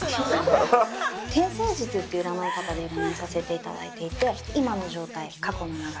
天星術っていう占い方で占いさせていただいていて今の状態過去の流れ